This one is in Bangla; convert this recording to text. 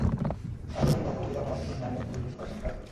আমরা যখন কথা বলি, তখন অনেকগুলো স্নায়ু অত্যন্ত দ্রুততার সঙ্গে কাজ করে।